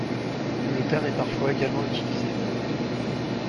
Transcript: Le terme est parfois également utilisé.